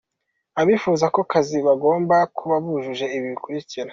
Abifuza ako kazi bagomba kuba bujuje ibi bikurikira :.